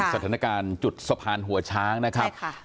สถานการณ์จุดสะพานหัวช้างนะครับ